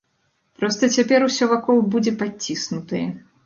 Проста цяпер усё вакол будзе падціснутае.